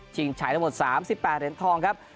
จริงใช้ละหมด๓๘เหรียญทองครับ